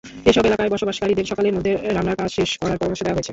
এসব এলাকায় বসবাসকারীদের সকালের মধ্যে রান্নার কাজ শেষ করার পরামর্শ দেওয়া হয়েছে।